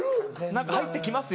何か入って来ますよね。